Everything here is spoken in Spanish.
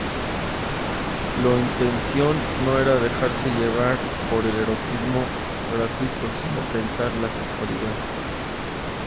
Lo intención no era dejarse llevar por el erotismo gratuito sino "pensar" la sexualidad.